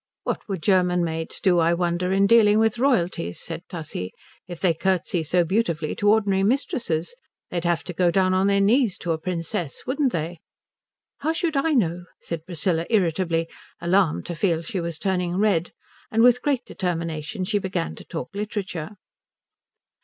"What would German maids do, I wonder, in dealing with royalties," said Tussie, "if they curtsey so beautifully to ordinary mistresses? They'd have to go down on their knees to a princess, wouldn't they?" "How should I know?" said Priscilla, irritably, alarmed to feel she was turning red; and with great determination she began to talk literature.